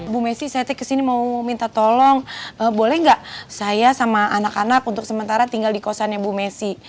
bu messi saya kesini mau minta tolong boleh nggak saya sama anak anak untuk sementara tinggal di kosannya bu messi